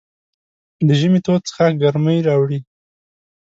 د ژمي تود څښاک ګرمۍ راوړي.